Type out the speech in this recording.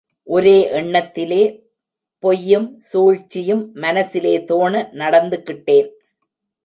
ஒரே எண்ணத்திலே, பொய்யும் சூழ்ச்சியும் மனசிலே தோண நடந்துகிட்டேன்.